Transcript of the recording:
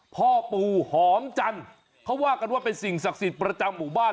พ่อปู่หอมจันทร์เขาว่ากันว่าเป็นสิ่งศักดิ์สิทธิ์ประจำหมู่บ้าน